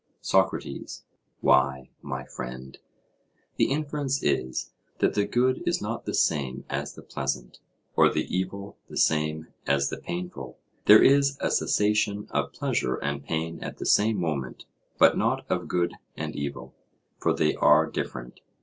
SOCRATES: Why, my friend, the inference is that the good is not the same as the pleasant, or the evil the same as the painful; there is a cessation of pleasure and pain at the same moment; but not of good and evil, for they are different.